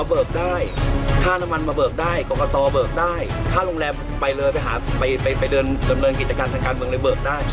เบิกไม่ได้สักบาทหนึ่งนะ